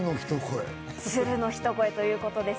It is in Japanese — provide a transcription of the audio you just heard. ツルの一声ということです。